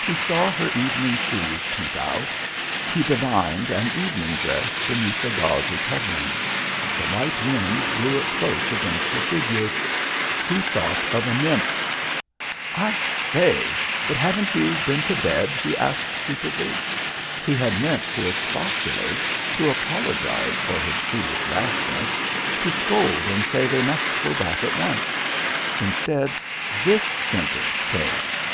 He saw her evening shoes peep out; he divined an evening dress beneath the gauzy covering. The light wind blew it close against her figure. He thought of a nymph. "I say but haven't you been to bed?" he asked stupidly. He had meant to expostulate, to apologise for his foolish rashness, to scold and say they must go back at once. Instead, this sentence came.